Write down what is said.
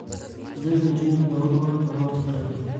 زده کړې نجونې د باور وړ معلومات خپروي.